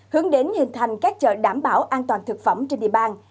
hướng đến hình thành các chợ đảm bảo an toàn thực phẩm trên địa bàn